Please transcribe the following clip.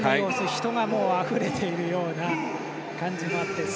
人があふれているような感じもあって。